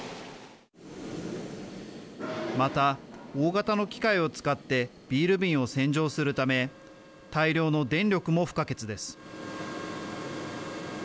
また、大型の機械を使ってビール瓶を洗浄するため大量の電力も不可欠です。